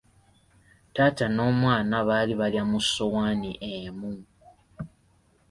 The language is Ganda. Taata n'omwana baali balya mu ssowaani emu.